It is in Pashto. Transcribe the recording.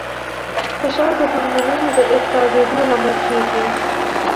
فشار د هورمونونو د افرازېدو لامل کېږي.